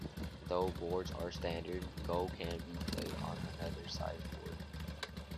Though boards are standard, go can be played on another size board.